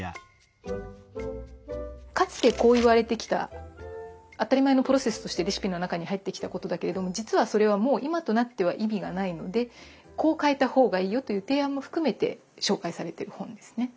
かつてこう言われてきた当たり前のプロセスとしてレシピの中に入ってきたことだけれども実はそれはもう今となっては意味がないのでこう変えた方がいいよという提案も含めて紹介されてる本ですね。